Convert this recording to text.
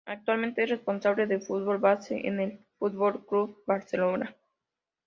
Actualmente es responsable del fútbol base en el Fútbol Club Barcelona.